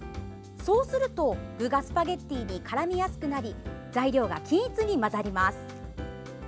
そうすると、具がスパゲッティにからみやすくなり材料が均一に混ざります。